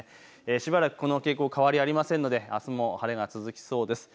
しばらくこの傾向、変わりありませんのであすも晴れが続きそうです。